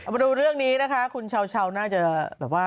มาดูเรื่องนี้นะคะของชาวน่าจะ